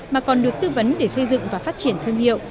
mà còn được tư vấn để xây dựng và phát triển thương hiệu